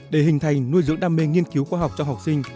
để hình thành nuôi dưỡng đam mê nghiên cứu khoa học cho học sinh